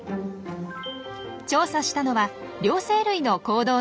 調査したのは両生類の行動の専門家